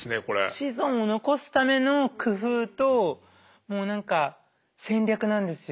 子孫を残すための工夫ともう何か戦略なんですよ